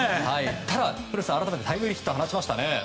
ただ古田さん、改めてタイムリーヒット放ちましたね。